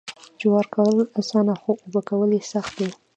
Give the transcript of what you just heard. جوار کرل اسانه خو اوبه کول یې سخت دي.